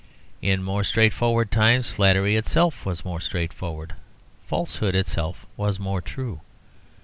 In more straightforward times flattery itself was more straight forward; falsehood itself was more true.